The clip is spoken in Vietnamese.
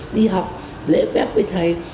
đi học lễ phép với thầy